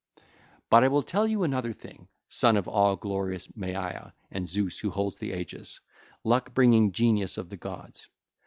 (ll. 550 568) 'But I will tell you another thing, Son of all glorious Maia and Zeus who holds the aegis, luck bringing genius of the gods.